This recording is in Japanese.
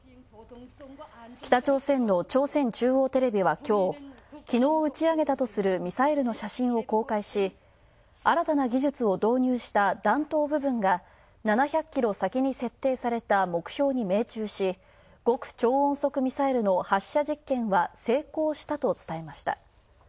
北朝鮮の朝鮮中央テレビは、きょう、きのう打ち上げたとするミサイルの写真を公開し、新たな技術を導入した弾頭部分が７００キロ先に設定された目標に命中し、極超音速ミサイルの発射実験は成功したと伝えました。